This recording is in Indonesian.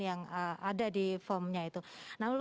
yang ada di form pessoa training day itu